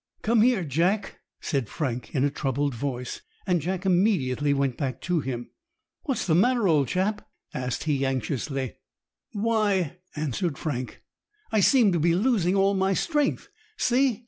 "Come here, Jack," said Frank, in a troubled voice. And Jack immediately went back to him. "What's the matter, old chap?" asked he anxiously "Why," answered Frank, "I seem to be losing all my strength. See!